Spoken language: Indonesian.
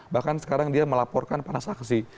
bahkan sekarang dia melaporkan para saksi